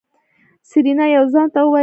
سېرېنا يو ځوان ته وويل.